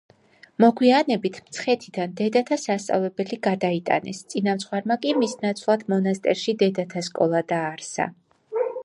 მოგვიანებით, მცხეთიდან დედათა სასწავლებელი გადაიტანეს, წინამძღვარმა კი მის ნაცვლად მონასტერში დედათა სკოლა დააარსა.